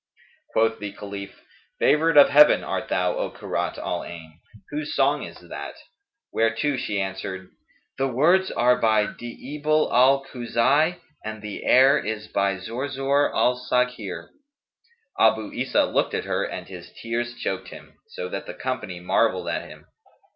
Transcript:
Quoth the Caliph, "Favoured of Heaven art thou, O Kurrat al Ayn! Whose song is that?"; whereto she answered "The words are by Di'ibil al Khuza'i, and the air by Zurzϊr al Saghνr." Abu Isa looked at her and his tears choked him; so that the company marvelled at him.